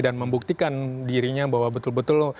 membuktikan dirinya bahwa betul betul